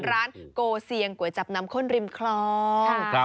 โกเซียงก๋วยจับน้ำข้นริมคลอง